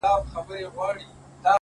كله ،كله ديدنونه زما بــدن خــوري،